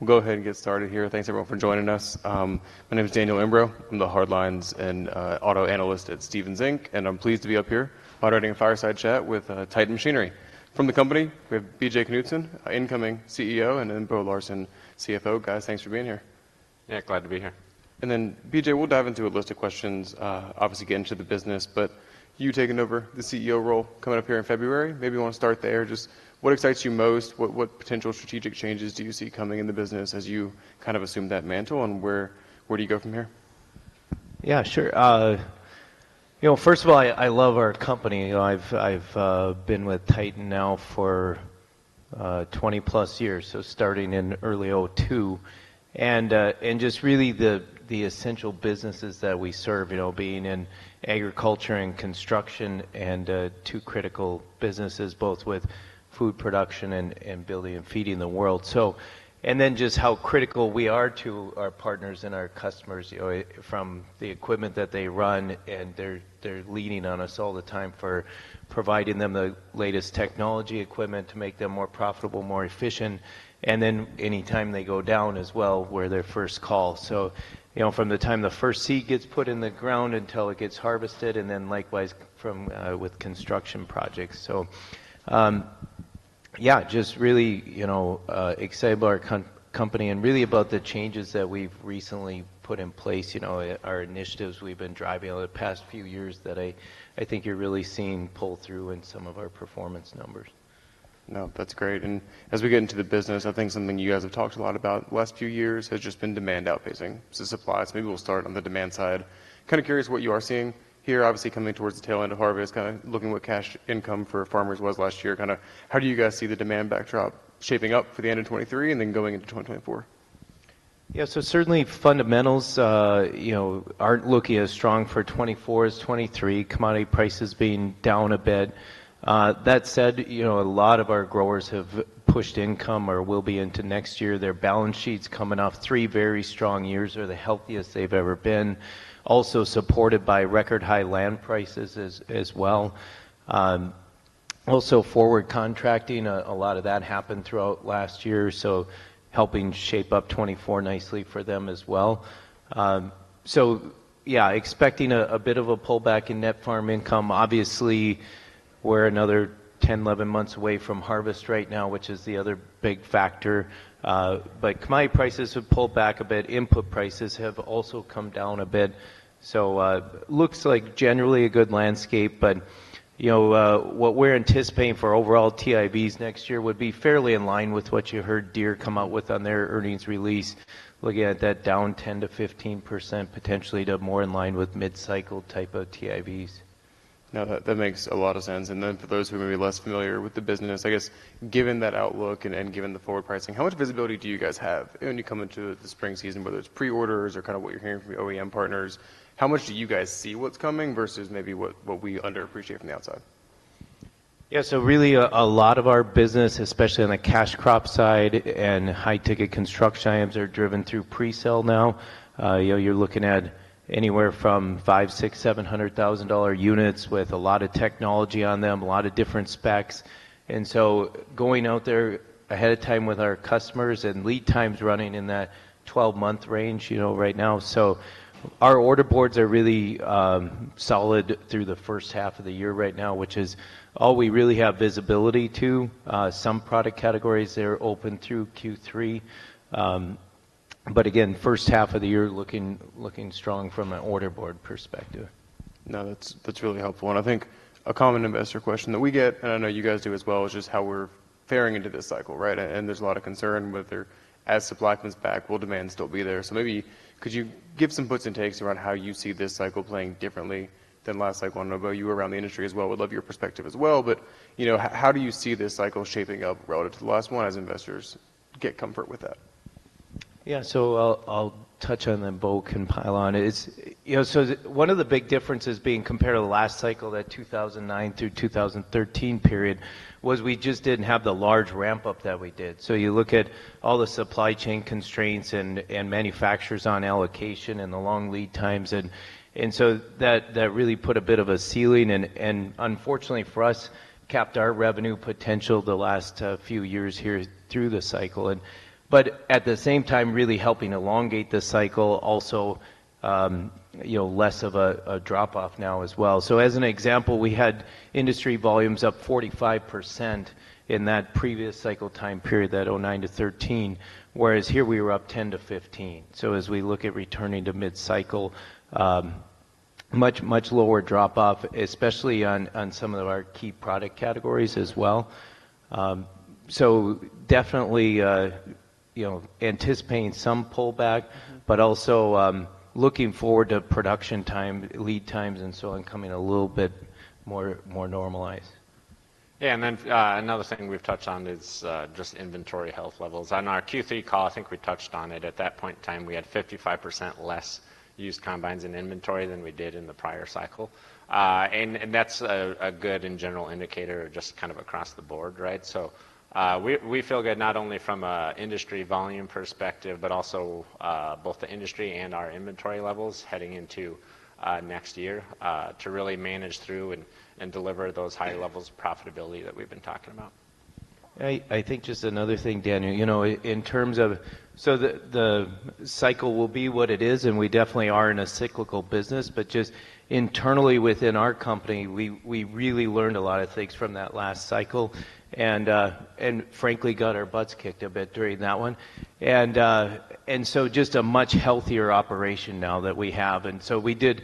We'll go ahead and get started here. Thanks, everyone, for joining us. My name is Daniel Imbro. I'm the hard lines and auto analyst at Stephens Inc., and I'm pleased to be up here moderating a fireside chat with Titan Machinery. From the company, we have B.J. Knutson, incoming CEO, and then Bo Larsen, CFO. Guys, thanks for being here. Yeah, glad to be here. And then, B.J., we'll dive into a list of questions, obviously get into the business, but you taking over the CEO role coming up here in February, maybe you want to start there. Just what excites you most? What, what potential strategic changes do you see coming in the business as you kind of assume that mantle, and where, where do you go from here? Yeah, sure. You know, first of all, I love our company. You know, I've been with Titan now for 20-plus years, so starting in early 2002. And just really the essential businesses that we serve, you know, being in agriculture and construction and two critical businesses, both with food production and building and feeding the world. So... And then just how critical we are to our partners and our customers, you know, from the equipment that they run, and they're leaning on us all the time for providing them the latest technology equipment to make them more profitable, more efficient. And then any time they go down as well, we're their first call. So, you know, from the time the first seed gets put in the ground until it gets harvested, and then likewise from with construction projects. So, yeah, just really, you know, excited about our company and really about the changes that we've recently put in place. You know, our initiatives we've been driving over the past few years that I think you're really seeing pull through in some of our performance numbers. No, that's great. As we get into the business, I think something you guys have talked a lot about the last few years has just been demand outpacing supply, so maybe we'll start on the demand side. Kind of curious what you are seeing here. Obviously, coming towards the tail end of harvest, kind of looking what cash income for farmers was last year. Kind of how do you guys see the demand backdrop shaping up for the end of 2023 and then going into 2024? Yeah, so certainly fundamentals aren't looking as strong for 2024 as 2023, commodity prices being down a bit. That said, you know, a lot of our growers have pushed income or will be into next year. Their balance sheets coming off three very strong years are the healthiest they've ever been. Also supported by record-high land prices as well. So yeah, expecting a bit of a pullback in net farm income. Obviously, we're another 10, 11 months away from harvest right now, which is the other big factor. But commodity prices have pulled back a bit. Input prices have also come down a bit, so looks like generally a good landscape. You know, what we're anticipating for overall TIVs next year would be fairly in line with what you heard Deere come out with on their earnings release. Looking at that down 10%-15%, potentially to more in line with mid-cycle type of TIVs. No, that makes a lot of sense. Then for those who may be less familiar with the business, I guess, given that outlook and given the forward pricing, how much visibility do you guys have when you come into the spring season, whether it's pre-orders or kind of what you're hearing from your OEM partners? How much do you guys see what's coming versus maybe what we underappreciate from the outside? Yeah, so really a lot of our business, especially on the cash crop side and high-ticket construction items, are driven through pre-sale now. You know, you're looking at anywhere from $500,000-$700,000 units with a lot of technology on them, a lot of different specs. And so going out there ahead of time with our customers and lead times running in that 12-month range, you know, right now. So our order boards are really solid through the first half of the year right now, which is all we really have visibility to. Some product categories, they're open through Q3. But again, first half of the year looking strong from an order board perspective. No, that's, that's really helpful. And I think a common investor question that we get, and I know you guys do as well, is just how we're faring into this cycle, right? And there's a lot of concern whether as supply comes back, will demand still be there? So maybe could you give some puts and takes around how you see this cycle playing differently than last cycle? I know, Bo, you around the industry as well, would love your perspective as well. But, you know, how do you see this cycle shaping up relative to the last one, as investors get comfort with that? Yeah. So I'll touch on, then Bo can pile on. It's... You know, so one of the big differences being compared to the last cycle, that 2009 through 2013 period, was we just didn't have the large ramp-up that we did. So you look at all the supply chain constraints and manufacturers on allocation and the long lead times, and so that really put a bit of a ceiling and unfortunately for us, capped our revenue potential the last few years here through the cycle. And but at the same time, really helping elongate this cycle also, you know, less of a drop-off now as well. So as an example, we had industry volumes up 45% in that previous cycle time period, that 2009-2013, whereas here we were up 10%-15%. So as we look at returning to mid-cycle, much, much lower drop-off, especially on some of our key product categories as well. So definitely, you know, anticipating some pullback, but also, looking forward to production time, lead times and so on, coming a little bit more normalized. Yeah, and then, another thing we've touched on is, just inventory health levels. On our Q3 call, I think we touched on it. At that point in time, we had 55% less used combines in inventory than we did in the prior cycle. And that's a good and general indicator, just kind of across the board, right? So, we feel good not only from a industry volume perspective, but also, both the industry and our inventory levels heading into next year, to really manage through and deliver those high levels of profitability that we've been talking about. I think just another thing, Daniel, you know, in terms of, so the cycle will be what it is, and we definitely are in a cyclical business. But just internally within our company, we really learned a lot of things from that last cycle, and frankly, got our butts kicked a bit during that one. And so just a much healthier operation now that we have. And so we did,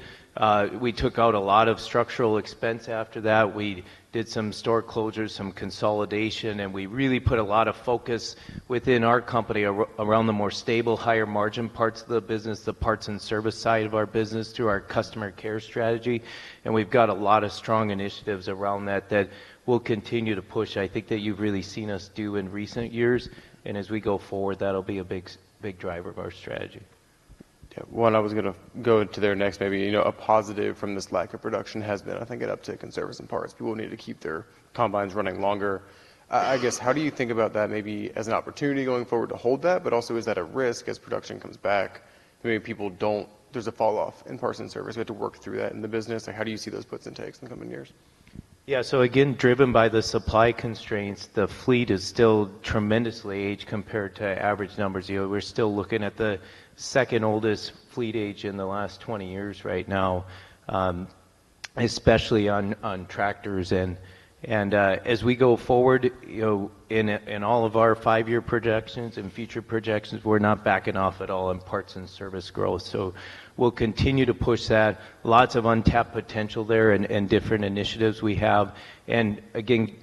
we took out a lot of structural expense after that. We did some store closures, some consolidation, and we really put a lot of focus within our company around the more stable, higher margin parts of the business, the parts and service side of our business, through our Customer Care strategy. And we've got a lot of strong initiatives around that that we'll continue to push. I think that you've really seen us do in recent years, and as we go forward, that'll be a big driver of our strategy. Yeah. Well, and I was gonna go into there next. Maybe, you know, a positive from this lack of production has been, I think, an uptick in service and parts. People need to keep their combines running longer. I guess, how do you think about that, maybe as an opportunity going forward to hold that, but also, is that a risk as production comes back? Maybe people don't... There's a falloff in parts and service. We have to work through that in the business, like, how do you see those puts and takes in the coming years? Yeah. So again, driven by the supply constraints, the fleet is still tremendously aged compared to average numbers. You know, we're still looking at the second oldest fleet age in the last 20 years right now, especially on tractors. And as we go forward, you know, in all of our five-year projections and future projections, we're not backing off at all in parts and service growth, so we'll continue to push that. Lots of untapped potential there and different initiatives we have. And again,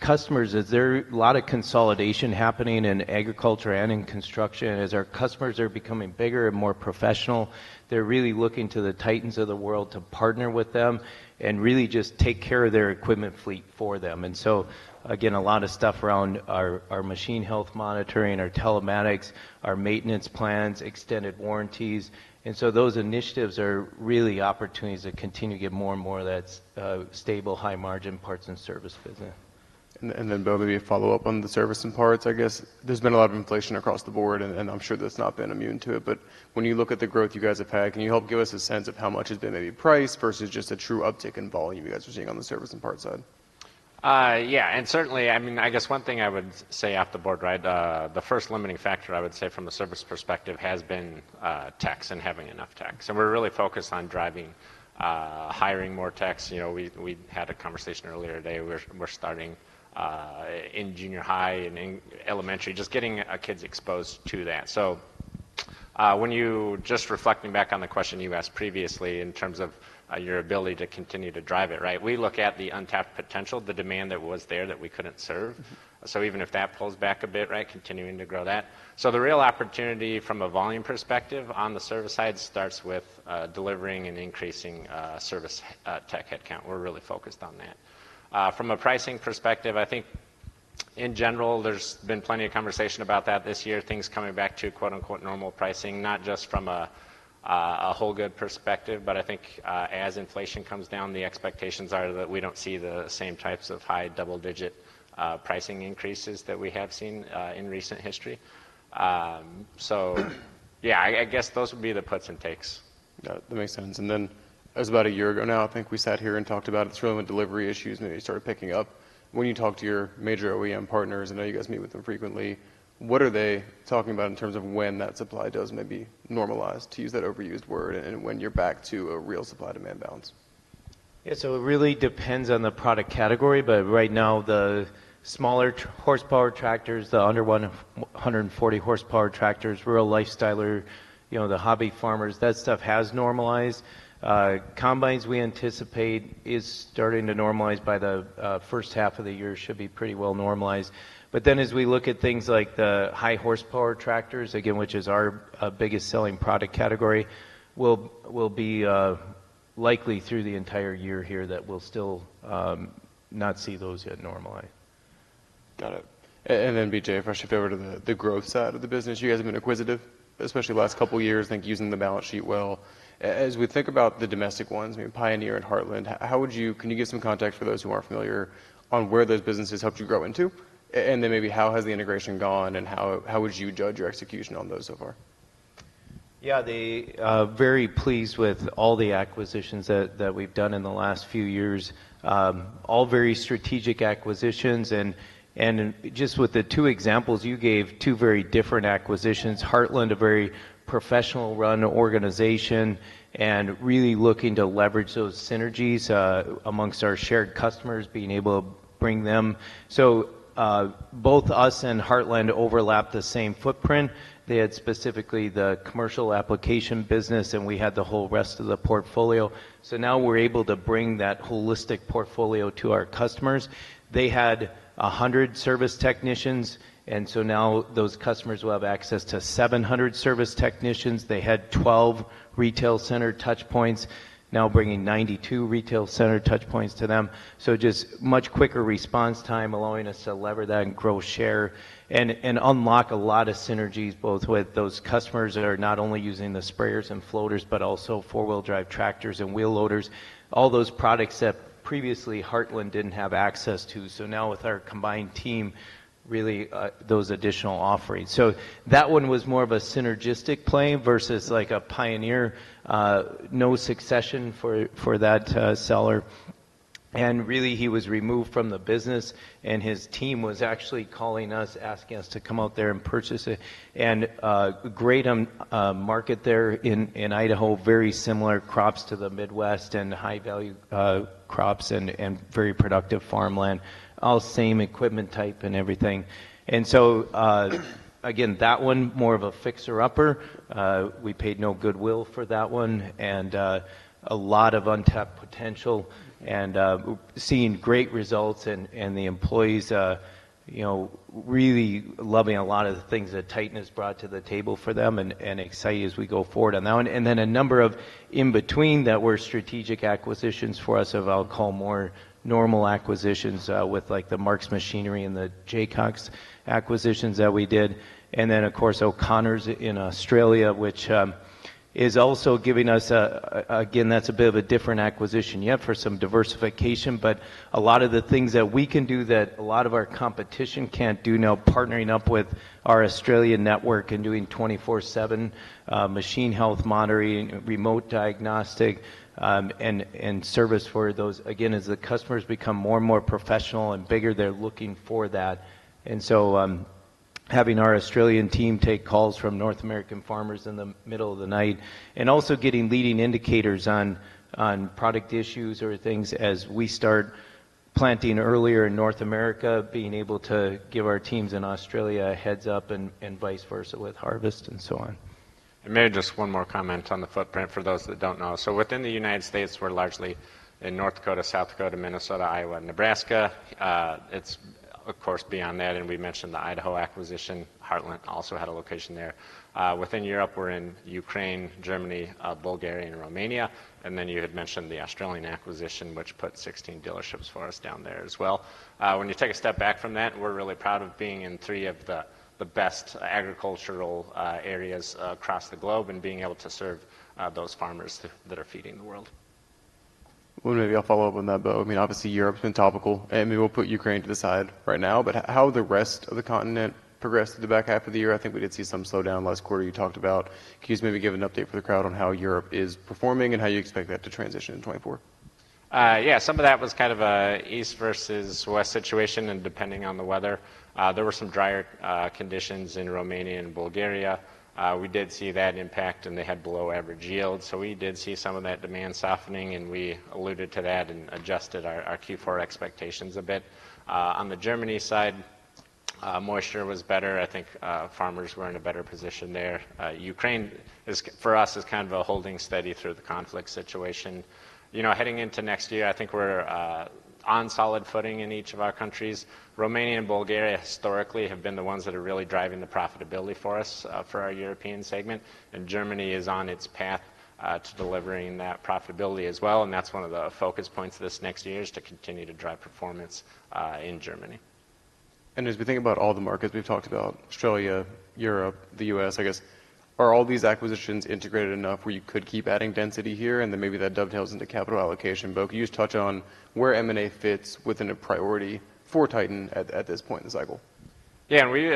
customers, there's a lot of consolidation happening in agriculture and in construction. As our customers are becoming bigger and more professional, they're really looking to the Titans of the world to partner with them and really just take care of their equipment fleet for them. And so, again, a lot of stuff around our, our machine health monitoring, our telematics, our maintenance plans, extended warranties, and so those initiatives are really opportunities to continue to get more and more of that, stable, high-margin parts and service business. And then, Bo, maybe a follow-up on the service and parts. I guess there's been a lot of inflation across the board, and I'm sure that's not been immune to it, but when you look at the growth you guys have had, can you help give us a sense of how much has been maybe price versus just a true uptick in volume you guys are seeing on the service and parts side? Yeah, and certainly, I mean, I guess one thing I would say off the board, right, the first limiting factor, I would say, from a service perspective, has been, techs and having enough techs. And we're really focused on driving, hiring more techs. You know, we, we had a conversation earlier today. We're, we're starting, in junior high and in elementary, just getting our kids exposed to that. Just reflecting back on the question you asked previously in terms of, your ability to continue to drive it, right? We look at the untapped potential, the demand that was there that we couldn't serve. So even if that pulls back a bit, right, continuing to grow that. So the real opportunity from a volume perspective on the service side starts with, delivering and increasing, service, tech headcount. We're really focused on that. From a pricing perspective, I think in general, there's been plenty of conversation about that this year, things coming back to, quote-unquote, "normal pricing," not just from a whole good perspective, but I think, as inflation comes down, the expectations are that we don't see the same types of high double-digit pricing increases that we have seen in recent history. Yeah, I guess those would be the puts and takes. Yeah, that makes sense. And then, about a year ago now, I think we sat here and talked about the fill and delivery issues, maybe started picking up. When you talk to your major OEM partners, I know you guys meet with them frequently, what are they talking about in terms of when that supply does maybe normalize, to use that overused word, and when you're back to a real supply-demand balance? Yeah. So it really depends on the product category, but right now, the smaller horsepower tractors, the under 140 horsepower tractors, rural lifestyler, you know, the hobby farmers, that stuff has normalized. Combines, we anticipate, is starting to normalize by the first half of the year, should be pretty well normalized. But then as we look at things like the high horsepower tractors, again, which is our biggest selling product category, will be likely through the entire year here that we'll still not see those yet normalized. Got it. And then, B.J., if I shift over to the, the growth side of the business, you guys have been acquisitive, especially the last couple of years, I think, using the balance sheet well. As we think about the domestic ones, maybe Pioneer and Heartland, how would you - can you give some context for those who aren't familiar on where those businesses helped you grow into? And then maybe how has the integration gone, and how, how would you judge your execution on those so far? Yeah, they very pleased with all the acquisitions that we've done in the last few years. All very strategic acquisitions, and just with the two examples, you gave two very different acquisitions. Heartland, a very professional-run organization, and really looking to leverage those synergies, among our shared customers, being able to bring them. So, both us and Heartland overlap the same footprint. They had specifically the commercial application business, and we had the whole rest of the portfolio. So now we're able to bring that holistic portfolio to our customers. They had 100 service technicians, and so now those customers will have access to 700 service technicians. They had 12 retail center touch points, now bringing 92 retail center touch points to them. So just much quicker response time, allowing us to leverage that and grow share and, and unlock a lot of synergies, both with those customers that are not only using the sprayers and floaters, but also four-wheel drive tractors and wheel loaders, all those products that previously Heartland didn't have access to. So now with our combined team really those additional offerings. So that one was more of a synergistic play versus like a Pioneer, no succession for that seller. And really, he was removed from the business, and his team was actually calling us, asking us to come out there and purchase it. And great market there in Idaho, very similar crops to the Midwest, and high-value crops and very productive farmland, all same equipment type and everything. And so again, that one, more of a fixer-upper. We paid no goodwill for that one, and a lot of untapped potential and seeing great results and the employees, you know, really loving a lot of the things that Titan has brought to the table for them and excited as we go forward on that one. And then a number of in-between that were strategic acquisitions for us of I'll call more normal acquisitions, with, like, the Mark's Machinery and the Jaycox acquisitions that we did. And then, of course, O'Connors in Australia, which is also giving us, again, that's a bit of a different acquisition you have for some diversification. But a lot of the things that we can do that a lot of our competition can't do now, partnering up with our Australian network and doing 24/7 machine health monitoring, remote diagnostic, and service for those. Again, as the customers become more and more professional and bigger, they're looking for that. And so, having our Australian team take calls from North American farmers in the middle of the night, and also getting leading indicators on product issues or things as we start planting earlier in North America, being able to give our teams in Australia a heads-up, and vice versa with harvest and so on. Maybe just one more comment on the footprint for those that don't know. Within the United States, we're largely in North Dakota, South Dakota, Minnesota, Iowa, and Nebraska. It's of course beyond that, and we mentioned the Idaho acquisition. Heartland also had a location there. Within Europe, we're in Ukraine, Germany, Bulgaria, and Romania. And then you had mentioned the Australian acquisition, which put 16 dealerships for us down there as well. When you take a step back from that, we're really proud of being in three of the best agricultural areas across the globe and being able to serve those farmers that are feeding the world. Well, maybe I'll follow up on that. But, I mean, obviously, Europe's been topical, and maybe we'll put Ukraine to the side right now, but how the rest of the continent progressed through the back half of the year, I think we did see some slowdown last quarter you talked about. Can you just maybe give an update for the crowd on how Europe is performing and how you expect that to transition in 2024? Yeah, some of that was kind of an east versus west situation, and depending on the weather. There were some drier conditions in Romania and Bulgaria. We did see that impact, and they had below average yield. So we did see some of that demand softening, and we alluded to that and adjusted our Q4 expectations a bit. On the Germany side, moisture was better. I think farmers were in a better position there. Ukraine, for us, is kind of holding steady through the conflict situation. You know, heading into next year, I think we're on solid footing in each of our countries. Romania and Bulgaria, historically, have been the ones that are really driving the profitability for us, for our European segment, and Germany is on its path to delivering that profitability as well, and that's one of the focus points this next year, is to continue to drive performance in Germany. As we think about all the markets, we've talked about Australia, Europe, the U.S., I guess, are all these acquisitions integrated enough where you could keep adding density here? And then maybe that dovetails into capital allocation, but could you just touch on where M&A fits within a priority for Titan at this point in the cycle? Yeah, and we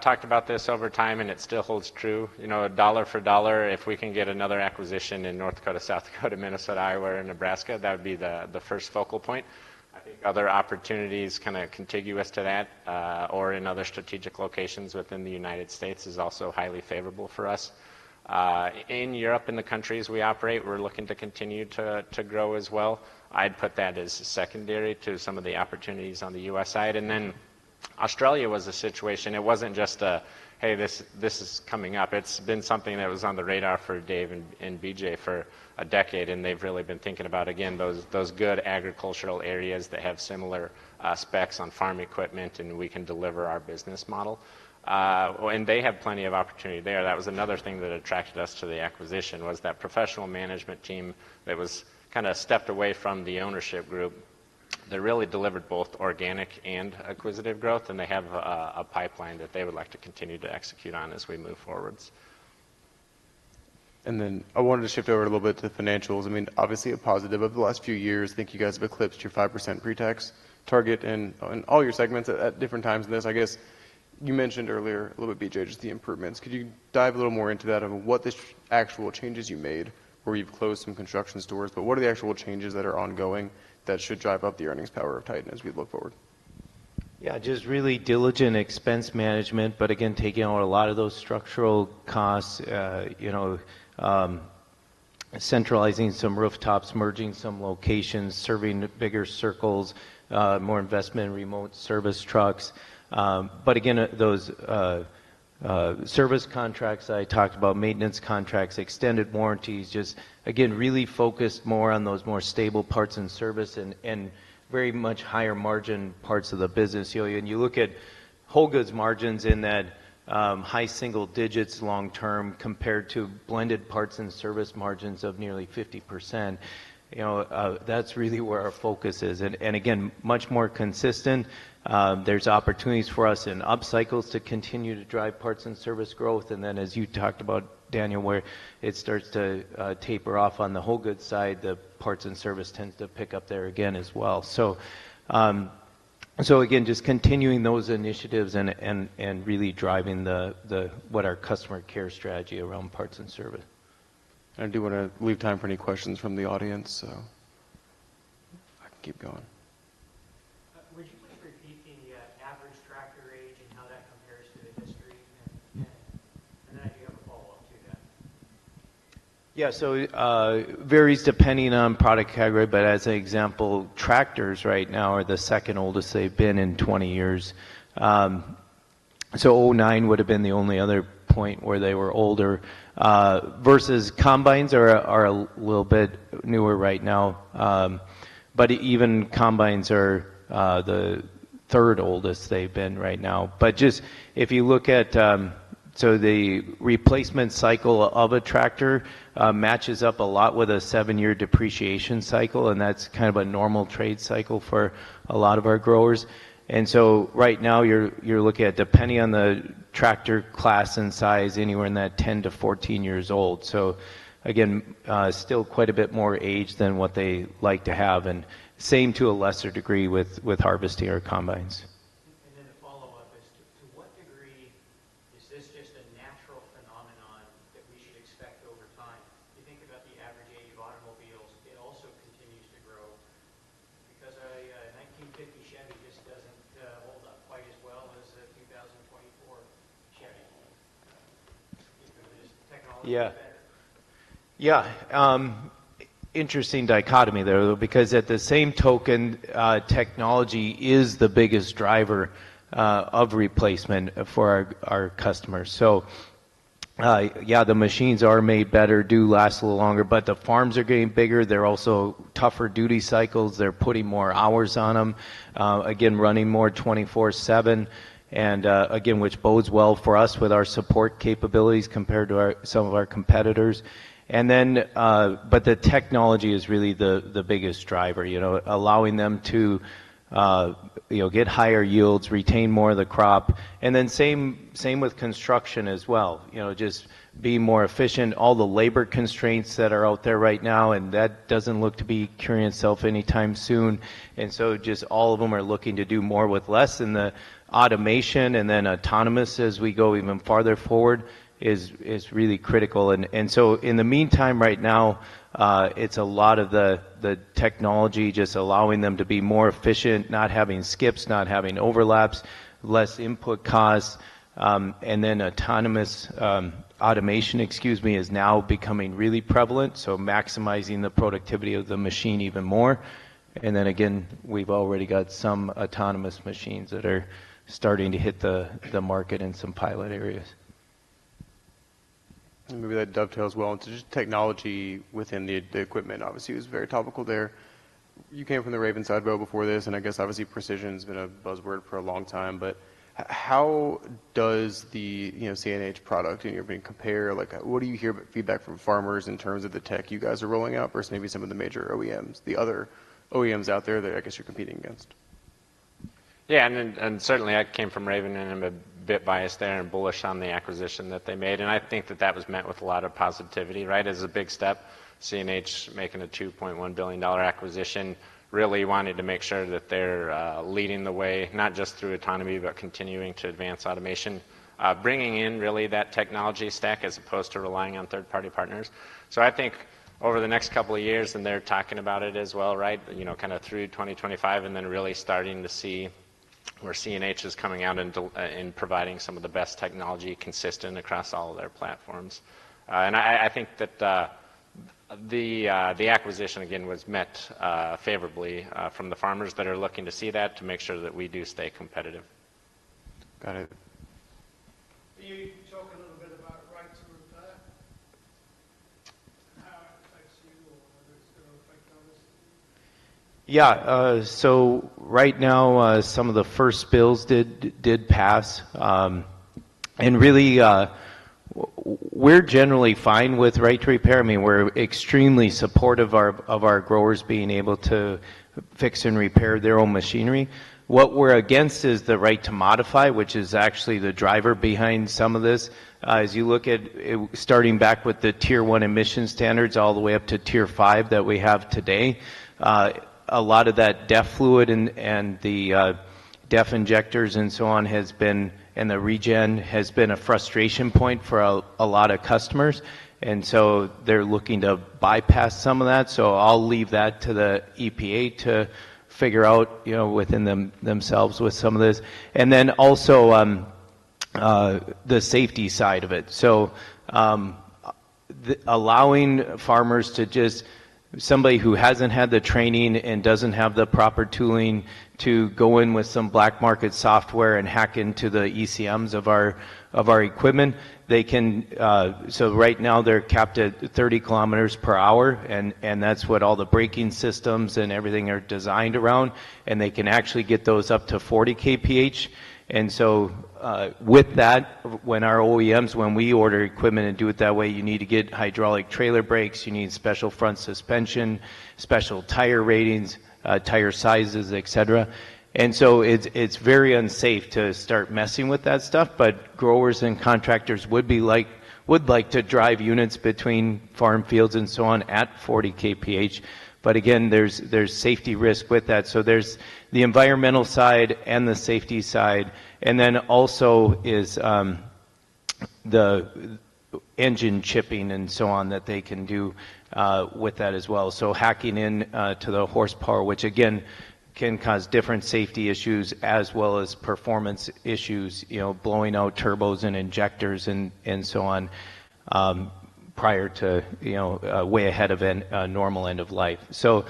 talked about this over time, and it still holds true. You know, dollar for dollar, if we can get another acquisition in North Dakota, South Dakota, Minnesota, Iowa, and Nebraska, that would be the first focal point. I think other opportunities kind of contiguous to that, or in other strategic locations within the United States, is also highly favorable for us. In Europe, in the countries we operate, we're looking to continue to grow as well. I'd put that as secondary to some of the opportunities on the U.S. side. And then Australia was a situation. It wasn't just a "Hey, this is coming up." It's been something that was on the radar for Dave and B.J. for a decade, and they've really been thinking about, again, those good agricultural areas that have similar specs on farm equipment, and we can deliver our business model. And they have plenty of opportunity there. That was another thing that attracted us to the acquisition, was that professional management team that was kind of stepped away from the ownership group, that really delivered both organic and acquisitive growth, and they have a pipeline that they would like to continue to execute on as we move forward. Then I wanted to shift over a little bit to financials. I mean, obviously, a positive over the last few years. I think you guys have eclipsed your 5% pre-tax target and, in all your segments at different times. This, I guess, you mentioned earlier, a little bit, B.J., just the improvements. Could you dive a little more into that, of what the actual changes you made, where you've closed some construction stores, but what are the actual changes that are ongoing that should drive up the earnings power of Titan as we look forward? Yeah, just really diligent expense management, but again, taking on a lot of those structural costs, you know, centralizing some rooftops, merging some locations, serving bigger circles, more investment in remote service trucks. But again, those service contracts I talked about, maintenance contracts, extended warranties, just again, really focused more on those more stable parts and service and very much higher margin parts of the business. You know, and you look at whole goods margins in that, high single digits long term, compared to blended parts and service margins of nearly 50%, you know, that's really where our focus is. And again, much more consistent. There's opportunities for us in up cycles to continue to drive parts and service growth. And then, as you talked about, Daniel, where it starts to taper off on the whole good side, the parts and service tends to pick up there again as well. So again, just continuing those initiatives and really driving what our customer care strategy around parts and service. I do wanna leave time for any questions from the audience, so I can keep going. Would you please repeat the average tractor age and how that compares to the history? And then I do have a follow-up to that. Yeah, so, varies depending on product category, but as an example, tractors right now are the second oldest they've been in 20 years. So 2009 would've been the only other point where they were older, versus combines are a little bit newer right now. But even combines are the third oldest they've been right now. But just if you look at, so the replacement cycle of a tractor matches up a lot with a seven-year depreciation cycle, and that's kind of a normal trade cycle for a lot of our growers. And so right now, you're looking at, depending on the tractor class and size, anywhere in that 10-14 years old. So again, still quite a bit more age than what they like to have, and same to a lesser degree with harvest year combines. Then the follow-up is, to what degree is this just a natural phenomenon that we should expect over time? If you think about the average age of automobiles, it also continues to grow because a 1950 Chevy just doesn't hold up quite as well as a 2024 Chevy. Just technology. Yeah. Yeah. Interesting dichotomy there, though, because at the same token, technology is the biggest driver of replacement for our, our customers. So, yeah, the machines are made better, do last a little longer, but the farms are getting bigger. They're also tougher duty cycles. They're putting more hours on them, again, running more 24/7, and, again, which bodes well for us with our support capabilities compared to our—some of our competitors. And then, but the technology is really the, the biggest driver, you know, allowing them to, you know, get higher yields, retain more of the crop, and then same, same with construction as well. You know, just being more efficient, all the labor constraints that are out there right now, and that doesn't look to be curing itself anytime soon. And so just all of them are looking to do more with less, and the automation, and then autonomous as we go even farther forward is really critical. And so in the meantime, right now, it's a lot of the technology just allowing them to be more efficient, not having skips, not having overlaps, less input costs. And then autonomous, automation, excuse me, is now becoming really prevalent, so maximizing the productivity of the machine even more. And then again, we've already got some autonomous machines that are starting to hit the market in some pilot areas. Maybe that dovetails well into just technology within the, the equipment, obviously, was very topical there. You came from the Raven side, Bo, before this, and I guess obviously precision's been a buzzword for a long time. But how does the, you know, CNH product and you're being compared, like, what do you hear about feedback from farmers in terms of the tech you guys are rolling out versus maybe some of the major OEMs, the other OEMs out there that I guess you're competing against? Yeah, and then, and certainly, I came from Raven, and I'm a bit biased there and bullish on the acquisition that they made, and I think that that was met with a lot of positivity, right? As a big step, CNH making a $2.1 billion acquisition, really wanted to make sure that they're leading the way, not just through autonomy, but continuing to advance automation. Bringing in really that technology stack as opposed to relying on third-party partners. So I think over the next couple of years, and they're talking about it as well, right, you know, kind of through 2025 and then really starting to see where CNH is coming out into in providing some of the best technology consistent across all of their platforms. I think that the acquisition, again, was met favorably from the farmers that are looking to see that, to make sure that we do stay competitive. Got it. Can you talk a little bit about right to repair? How it affects you, or whether it's going to affect others? Yeah, so right now, some of the first bills did pass, and really, we're generally fine with right to repair. I mean, we're extremely supportive of our growers being able to fix and repair their own machinery. What we're against is the right to modify, which is actually the driver behind some of this. As you look at starting back with the Tier 1 emission standards all the way up to Tier 5 that we have today, a lot of that DEF fluid and the DEF injectors and so on has been, and the regen has been a frustration point for a lot of customers, and so they're looking to bypass some of that. So I'll leave that to the EPA to figure out, you know, within themselves with some of this. And then also, the safety side of it. So, the allowing farmers to just... Somebody who hasn't had the training and doesn't have the proper tooling to go in with some black market software and hack into the ECMs of our equipment, they can, so right now, they're capped at 30 kilometers per hour, and that's what all the braking systems and everything are designed around, and they can actually get those up to 40 kph. And so, with that, when our OEMs, when we order equipment and do it that way, you need to get hydraulic trailer brakes, you need special front suspension, special tire ratings, tire sizes, etc. And so it's very unsafe to start messing with that stuff, but growers and contractors would be like—would like to drive units between farm fields and so on, at 40 kph. But again, there's safety risk with that. So there's the environmental side and the safety side, and then also is the engine chipping and so on, that they can do with that as well. So hacking in to the horsepower, which again, can cause different safety issues as well as performance issues, you know, blowing out turbos and injectors and so on, prior to, you know, way ahead of a normal end of life. So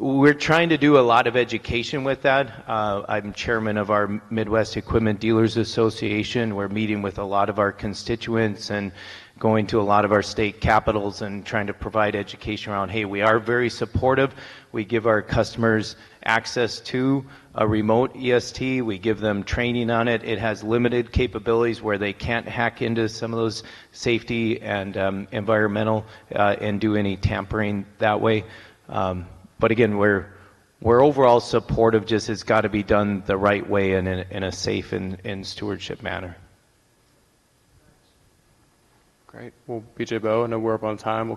we're trying to do a lot of education with that. I'm chairman of our Midwest Equipment Dealers Association. We're meeting with a lot of our constituents and going to a lot of our state capitals and trying to provide education around, "Hey, we are very supportive. We give our customers access to a remote EST. We give them training on it. It has limited capabilities where they can't hack into some of those safety and environmental and do any tampering that way." But again, we're overall supportive, just it's got to be done the right way and in a safe and stewardship manner. Great. Well, B.J. Bo, I know we're up on time.